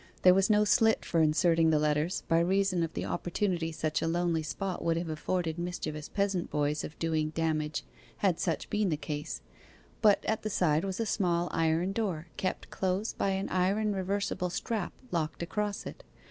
There was no slit for inserting the letters, by reason of the opportunity such a lonely spot would have afforded mischievous peasant boys of doing damage had such been the case; but at the side was a small iron door, kept close by an iron reversible strap locked across it.